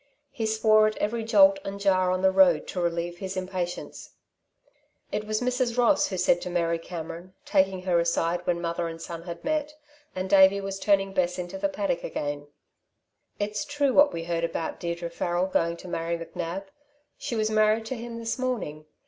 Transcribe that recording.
He swore at every jolt and jar on the road to relieve his impatience. It was Mrs. Ross who said to Mary Cameron, taking her aside when mother and son had met, and Davey was turning Bess into the paddock again: "It's true what we heard about Deirdre Farrel going to marry McNab. She was married to him this morning.